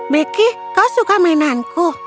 becky kau suka mainanku